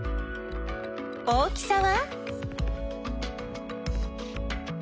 大きさは？